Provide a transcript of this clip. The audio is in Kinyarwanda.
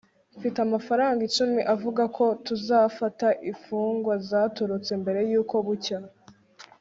mfite amafaranga icumi avuga ko tuzafata imfungwa zatorotse mbere yuko bucya